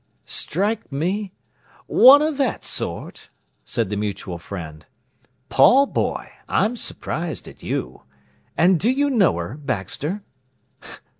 "Strike me—! One o' that sort?" said the mutual friend. "Paul, boy, I'm surprised at you. And do you know her, Baxter?"